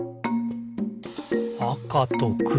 「あかとくろ」